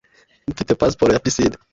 Mfite pasiporo ya pisine.